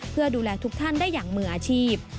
เพื่อดูแลทุกท่านได้อย่างมืออาชีพ